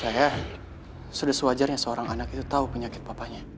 saya sudah sewajarnya seorang anak itu tahu penyakit bapaknya